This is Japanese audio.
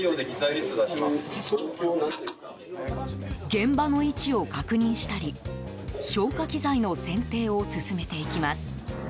現場の位置を確認したり消火器材の選定を進めていきます。